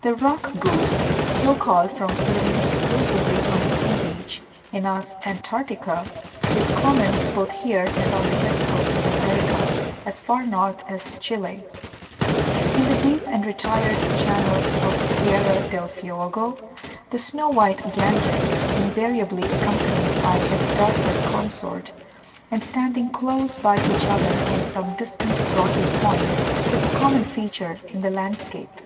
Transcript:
The rock goose, so called from living exclusively on the sea beach (Anas antarctica), is common both here and on the west coast of America, as far north as Chile. In the deep and retired channels of Tierra del Fuego, the snow white gander, invariably accompanied by his darker consort, and standing close by each other on some distant rocky point, is a common feature in the landscape.